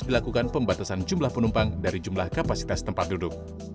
dilakukan pembatasan jumlah penumpang dari jumlah kapasitas tempat duduk